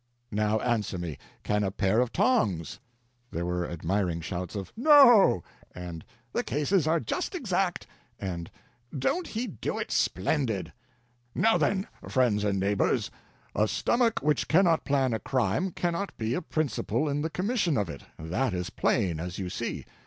Now answer me—can a pair of tongs?" (There were admiring shouts of "No!" and "The cases are just exact!" and "Don't he do it splendid!") "Now, then, friends and neighbors, a stomach which cannot plan a crime cannot be a principal in the commission of it—that is plain, as you see.